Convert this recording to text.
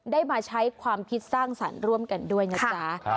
ได้มาใช้ความคิดสร้างสรรค์ร่วมกันด้วยนะจ๊ะ